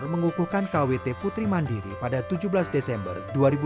mengukuhkan kwt putri mandiri pada tujuh belas desember dua ribu dua puluh